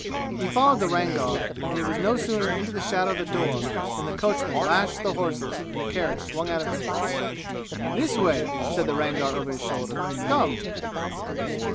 He followed the Rangar, and he was no sooner into the shadow of the door than the coachman lashed the horses and the carriage swung out of view. "This way," said the Rangar over his shoulder. "Come!"